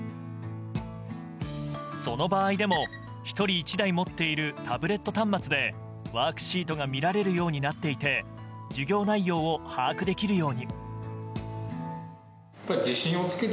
その場合でも１人１台持っているタブレット端末でワークシートが見られるようになっていて授業内容を把握できるように。